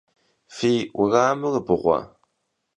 Fi vueramır bğue?